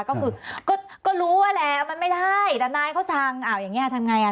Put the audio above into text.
ก็คือก็รู้แล้วมันไม่ได้ถ้านายเขาสั่งอ้าวอย่างนี้ทำยังไง